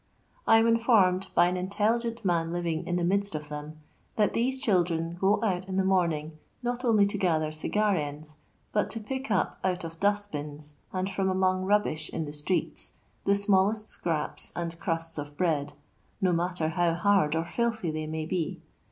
I am informed, by an intelli gent man living iu the midst of them, that these children go out in the morning not only to gather cigar ends, but to pick up out of dust bnis, and from amongst rubbish in the streeU, the smalleit scraps and crusts of bread, no matter how hard or filthy they mnv be.